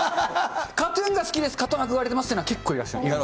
ＫＡＴーＴＵＮがＫＡＴーＴＵＮ憧れてますっていう方、結構いらっしゃる。